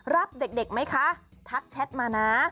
รับเด็กไหมคะทักแชทมานะ